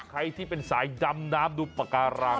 ใครที่เป็นสายดำน้ำดูปากการัง